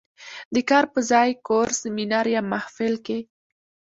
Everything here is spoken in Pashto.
"د کار په ځای، کور، سینما یا محفل" کې